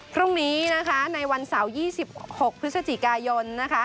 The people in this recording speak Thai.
พรุ่งนี้นะคะในวันเสาร์๒๖พฤศจิกายนนะคะ